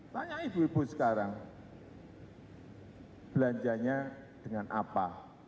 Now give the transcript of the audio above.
tanya ibu ibu sekarang belanjanya dengan apa